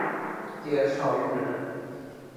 叶绍颙人。